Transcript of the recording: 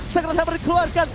secret hammer dikeluarkan